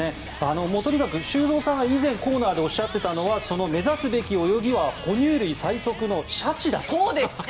修造さんが以前、コーナーでおっしゃっていたのは目指すべき泳ぎは哺乳類最速のシャチだと。